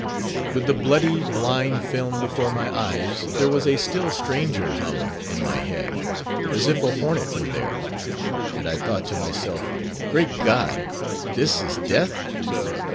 With the bloody, blind film before my eyes, there was a still stranger hum in my head, as if a hornet were there; and I thought to myself, Great God! this is Death!